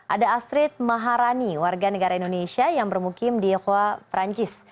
ada astrid maharani warga negara indonesia yang bermukim di yokoa perancis